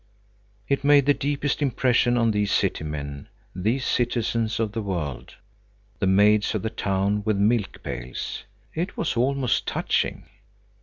It made the deepest impression on these city men, these citizens of the world. The maids of the town with milk pails! It was almost touching!